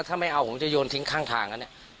ถ้าไม่เอาผมจะยนทิ้งข้างทาง